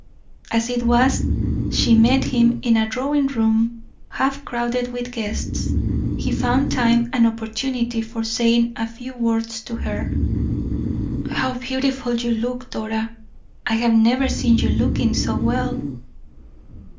As it was, she met him in a drawing room half crowded with guests. He found time and opportunity for saying a few words to her: "How beautiful you look, Dora! I have never seen you looking so well!"